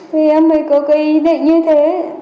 vì em mới có cái ý định như thế